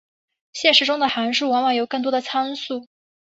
现实中的函数往往有更多的参数。